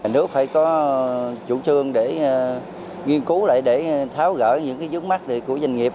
nước phải có chủ trương để nghiên cứu lại để tháo gỡ những vướng mắt của doanh nghiệp